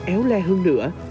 éo le hơn nữa